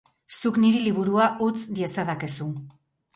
Zuk niri liburua utz diezadakezu.